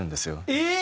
えっ！